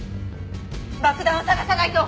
爆弾を探さないと！